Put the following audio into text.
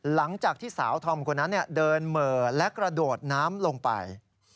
หลังจากที่สาวธอมคนนั้นเดินเหม่อและกระโดดน้ำลงไป